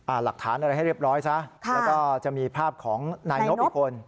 หลักฐานอะไรให้เรียบร้อยซะแล้วก็จะมีภาพของนายนบอีกคน